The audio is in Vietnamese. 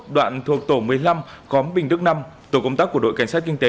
đoạn thuộc tổ một mươi năm khóm bình đức năm tổ công tác của đội cảnh sát kinh tế